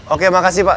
oke makasih pak